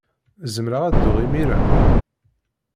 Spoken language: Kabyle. Zemreɣ ad dduɣ imir-a?